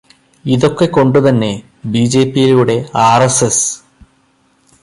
ഇതൊക്കെ കൊണ്ടുതന്നെ ബിജെപിയിലൂടെ ആര്.എസ്.എസ്.